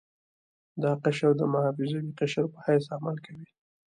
دا قشر د محافظوي قشر په حیث عمل کوي.